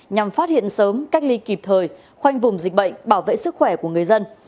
nhằm phát hiện sớm cách ly kịp thời khoanh vùng dịch bệnh bảo vệ sức khỏe của người dân